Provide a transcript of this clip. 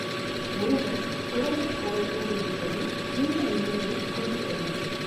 முருகன் குழந்தைக் கோலத்தோடு இருப்பது இந்த எளிமையைக் குறிக்கிறது.